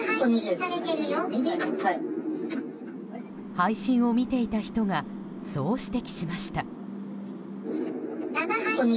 配信を見ていた人がそう指摘しました。